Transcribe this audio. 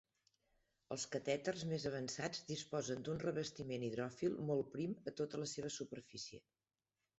Els catèters més avançats disposen d'un revestiment hidròfil molt prim a tota la seva superfície.